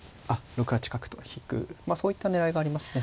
６八角と引くそういった狙いがありますね。